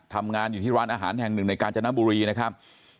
ทำงานอยู่ที่ร้านอาหารแห่งหนึ่งในกาญจนบุรีนะครับ